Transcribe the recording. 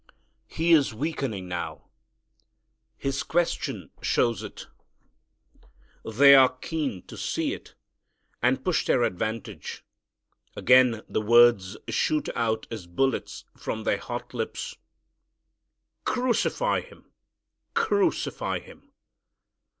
He is weakening now. His question shows it. They are keen to see it and push their advantage. Again the words shoot out as bullets from their hot lips, "Crucify Him: crucify Him."